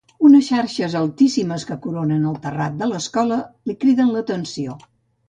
Unes xarxes altíssimes que coronen el terrat de l'escola li criden l'atenció.